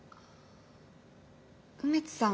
梅津さん。